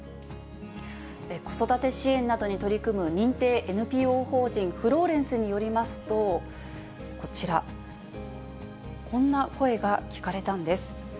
子育て支援などに取り組む認定ＮＰＯ法人フローレンスによりますと、こちら、こんな声が聞かれたんです。